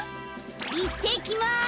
いってきます！